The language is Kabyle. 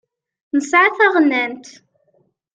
Nesεa taɣennant.